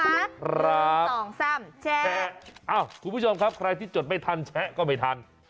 คุณผู้ชมครับใครที่จดไม่ทันแชะก็ไม่ทัน